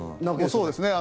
そうですね。